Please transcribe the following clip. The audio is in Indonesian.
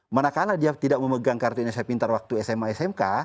manakala dia tidak memegang kartu indonesia pintar waktu sma smk